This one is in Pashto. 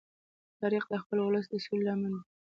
تاریخ د خپل ولس د سولې لامل دی.